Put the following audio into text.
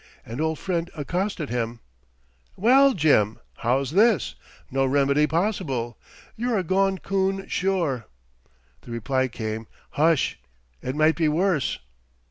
An old friend accosted him: "Well, Jim, how's this? No remedy possible; you're a gone coon sure." The reply came: "Hush, it might be worse."